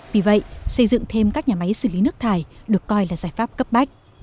vì vậy xây dựng thêm các nhà máy xử lý nước thải được coi là giải pháp cấp bách